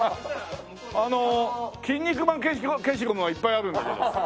あのキン肉マン消しゴムはいっぱいあるんだけど。